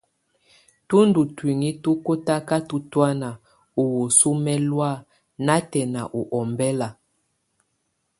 Tú ndù tuinyii tu kɔtakatɔ tɔ̀ána ú wesuǝ mɛlɔ̀á natɛna u ɔmbɛla.